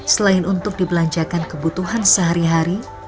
selain untuk dibelanjakan kebutuhan sehari hari